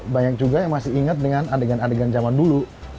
banyak juga yang masih ingat dengan adegan adegan zaman dulu